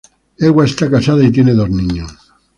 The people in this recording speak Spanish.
Ewa está casada y tiene dos niños.